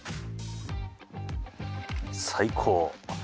最高。